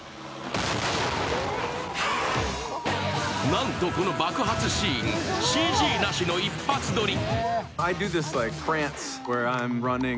なんと、この爆発シーン、ＣＧなしの一発撮り。